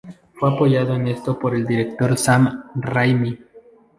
Fue apoyado en esto por el director Sam Raimi.